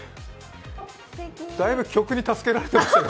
だいぶ曲に助けられていましたね。